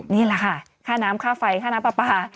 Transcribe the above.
นี่แหละค่ะค่าน้ำค่าไฟค่าน้ำปลาปลา